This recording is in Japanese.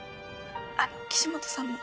あの岸本さんも。